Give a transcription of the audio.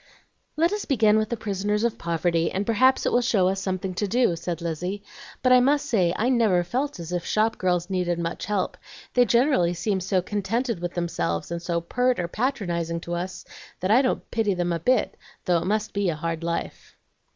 "Let us begin with 'The Prisoners of Poverty,' and perhaps it will show us something to do," said Lizzie. "But I must say I never felt as if shop girls needed much help; they generally seem so contented with themselves, and so pert or patronizing to us, that I don't pity them a bit, though it must be a hard life."